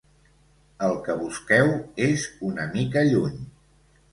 El que busqueu és una mica lluny.